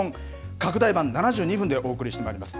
拡大版７２分でお送りしてまいります。